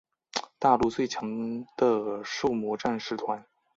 大陆最强的狩魔战士团。